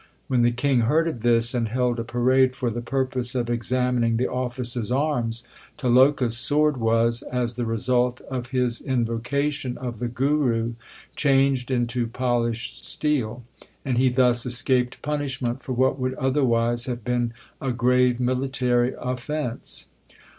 When the king heard of this, and held a parade for the purpose of examining the officers arms, Tiloka s sword was, as the result of his invoca tion of the Guru, changed into polished steel, and he thus escaped punishment for what would otherwise have been a grave military offence.